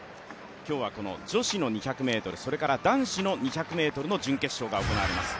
今日は女子の２００ｍ男子の２００ｍの準決勝が行われます。